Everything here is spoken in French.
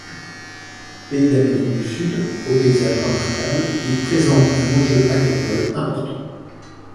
Pays d'Amérique du Sud, aux paysages remarquables, il présente un enjeu agricole important.